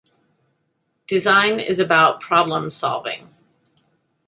Design is about problem solving.